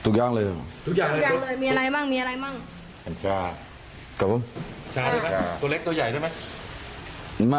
ครบเลยฮะ